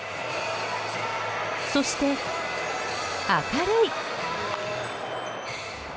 そして、明るい。